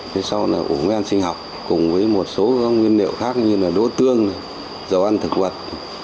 thế sau là ủng viên sinh học cùng với một số nguyên liệu khác như là đỗ tương dầu ăn thực vật